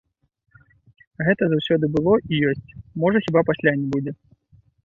Гэта заўсёды было і ёсць, можа, хіба пасля не будзе.